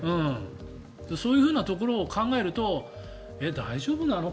そういうところを考えると大丈夫なの？